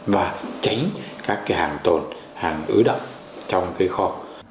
và tránh các cái hàng tồn hàng ứ động trong cái kho